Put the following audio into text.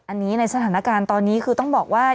อันนี้ในสถานการณ์ตอนนี้คือต้องบอกว่า